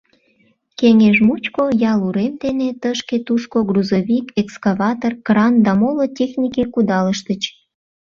Кеҥеж мучко ял урем дене тышке-тушко грузовик, экскаватор, кран да моло технике кудалыштыч.